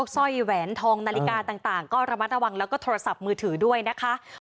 สร้อยแหวนทองนาฬิกาต่างก็ระมัดระวังแล้วก็โทรศัพท์มือถือด้วยนะคะ